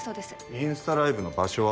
インスタライブの場所は？